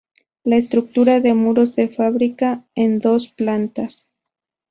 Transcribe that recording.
La estructura de muros de fábrica en dos plantas.